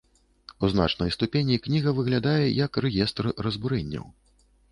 У значнай ступені кніга выглядае як рэестр разбурэнняў.